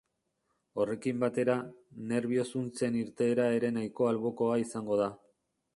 Horrekin batera, nerbio zuntzen irteera ere nahiko albokoa izango da.